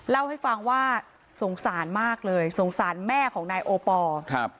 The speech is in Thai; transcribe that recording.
เล่าให้ฟังว่าสงสารมากเลยสงสารแม่ของนายโอปอล์ครับ